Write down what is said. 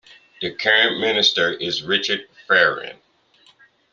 The current Minister is Richard Ferrand.